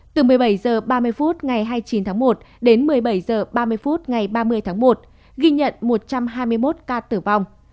từ một mươi bảy h ba mươi phút ngày hai mươi chín tháng một đến một mươi bảy h ba mươi phút ngày ba mươi tháng một ghi nhận một trăm hai mươi một ca tử vong